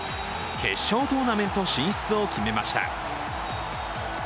決勝トーナメントを決めました。